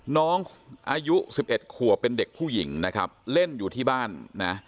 น้องอายุ๑๑ขัวเป็นเด็กผู้หญิงนะครับเล่นอยู่ที่บ้านนะ